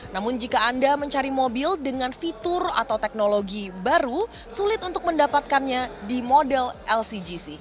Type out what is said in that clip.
namun jika anda mencari mobil dengan fitur atau teknologi baru sulit untuk mendapatkannya di model lcgc